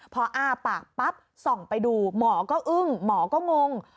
พออ้าปากปั๊บส่องไปดูหมอก็อึ้งหมอก็งง